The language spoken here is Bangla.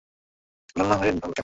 সন্দেহ করেছিলাম তুমি হয়তো মন বদলেছ।